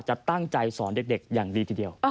จะตั้งใจสอนเด็กอย่างดีทีเดียว